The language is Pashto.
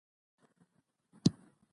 دا کلي د چاپیریال د مدیریت لپاره مهم دي.